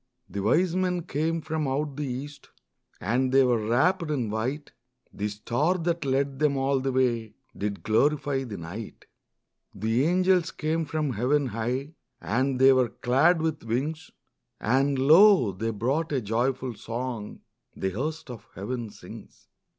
The wise men came from out the east, And they were wrapped in white; The star that led them all the way Did glorify the night. The angels came from heaven high, And they were clad with wings; And lo, they brought a joyful song The host of heaven sings.